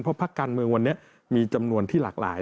เพราะพักการเมืองวันนี้มีจำนวนที่หลากหลาย